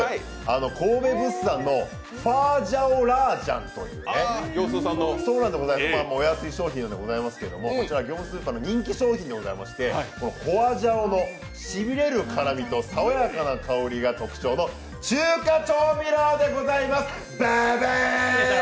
神戸物産の花椒辣醤というお安い商品でございますけれども、こちら業務スーパーの人気商品でございまして花椒のしびれる絡みと爽やかな香りが特徴の中華調味料でございます！